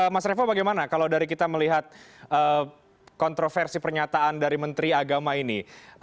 mas revo bagaimana kalau dari kita melihat kontroversi pernyataan dari menteri agama ini